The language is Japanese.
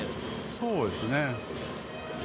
そうですね。